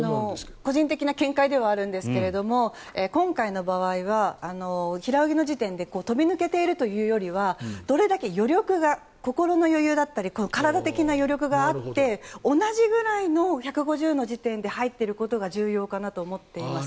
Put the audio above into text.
個人的な見解ではあるんですけれども今回の場合は平泳ぎの時点で飛び抜けているというよりはどれだけ余力、心の余裕だったり体的な余裕があって同じぐらいの１５０ｍの時点で入っていることが重要かなと思っています。